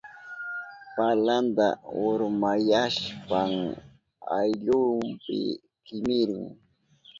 Palanta urmanayashpan ayllunpi kimirin.